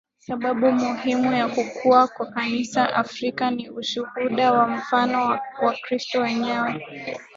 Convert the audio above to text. Sababu muhimu ya kukua kwa Kanisa Afrika ni ushuhuda na mfano wa Wakristo wenyewe